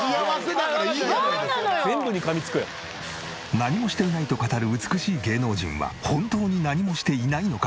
何もしていないと語る美しい芸能人は本当に何もしていないのか？